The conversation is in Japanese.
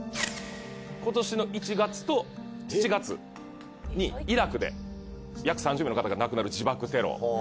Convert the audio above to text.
今年の１月と７月にイラクで約３０名の方が亡くなる自爆テロ。